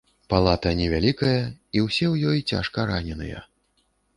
Палата невялікая, і ўсе ў ёй цяжкараненыя.